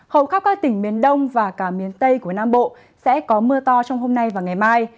hầu khắp các tỉnh miền đông và cả miền tây của nam bộ sẽ có mưa to trong hôm nay và ngày mai